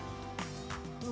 ya kita akan beri bantuan